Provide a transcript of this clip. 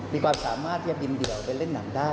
มีความสามารถที่จะบินเดี่ยวไปเล่นหนังได้